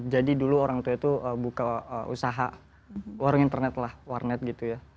jadi dulu orang tua itu buka usaha warung internet lah warnet gitu ya